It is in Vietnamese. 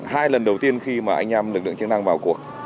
hai lần đầu tiên khi mà anh em lực lượng chức năng vào cuộc